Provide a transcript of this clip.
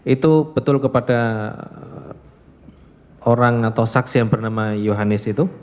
itu betul kepada orang atau saksi yang bernama yohanis itu